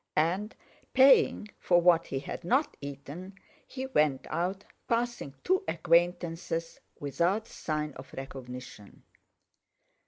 And, paying for what he had not eaten, he went out, passing two acquaintances without sign of recognition.